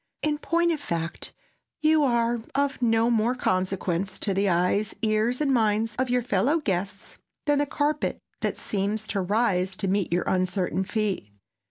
In point of fact, you are of no more consequence to the eyes, ears and minds of your fellow guests than the carpet that seems to rise to meet your uncertain feet.